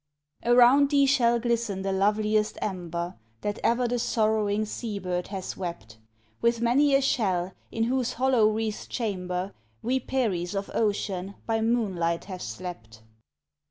Around thee shall glisten the loveliest amber That ever the sorrowing sea bird has wept; With many a shell, in whose hollow wreathed chamber, We, Peris of ocean, by moonlight have slept.